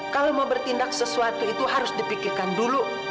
kalau mau bertindak sesuatu itu harus dipikirkan dulu